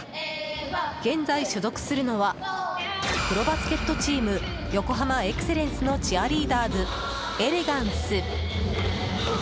現在、所属するのはプロバスケットチーム横浜エクセレンスのチアリーダーズ、エレガンス。